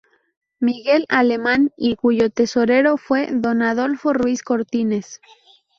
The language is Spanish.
Miguel Alemán y cuyo tesorero fue don Adolfo Ruiz Cortines.